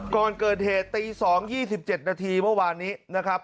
ก่อนเกิดเหตุตี๒๒๗นาทีเมื่อวานนี้นะครับ